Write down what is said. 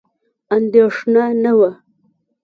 اندېښنه نه وه.